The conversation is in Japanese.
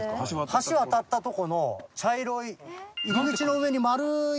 橋渡ったとこの茶色い入り口の上に丸い。